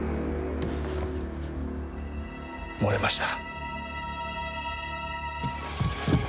漏れました。